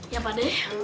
ya pak deh